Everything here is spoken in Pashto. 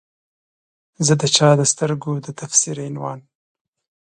زه د چا د سترګو د تفسیر عنوان